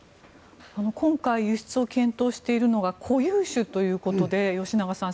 今回輸出を検討しているのが固有種ということで吉永さん